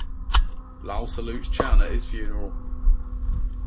Lau salutes Chan at his funeral.